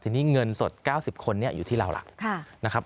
ทีนี้เงินสด๙๐คนอยู่ที่เราล่ะนะครับ